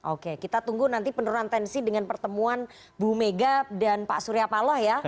oke kita tunggu nanti penurunan tensi dengan pertemuan bu mega dan pak surya paloh ya